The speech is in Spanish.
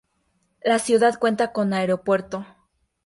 La ciudad cuenta con aeropuerto.